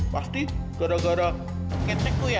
pasti gara gara keceku ya